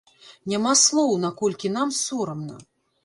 Няма слоў, наколькі нам сорамна!